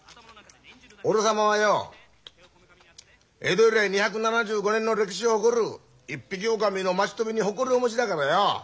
俺様はよ江戸以来２７５年の歴史を誇る一匹おおかみの町トビに誇りをお持ちだからよ。